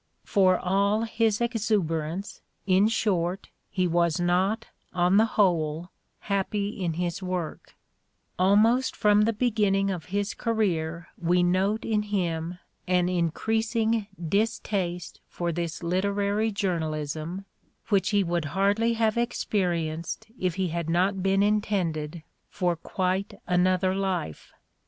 For all his exuberance, in short, he was not, on the whole, happy in his work; almost from the beginning of his career we note in him an increasing distaste for this literary journalism which he would hardly have experienced if he had not been intended for quite another life.